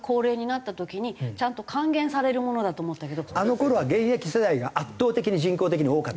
あの頃は現役世代が圧倒的に人口的に多かった。